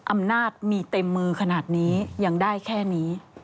อำนาจมีเต็มมือขนาดนี้ยังได้แค่นี้